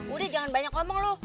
udah jangan banyak ngomong loh